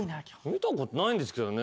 見たことないんですけどね。